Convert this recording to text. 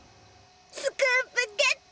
スクープゲット！